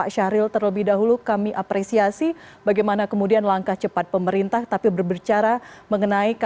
selamat malam bapak bapak